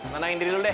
nenangin diri lu deh